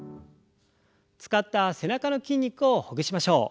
使った背中の筋肉をほぐしましょう。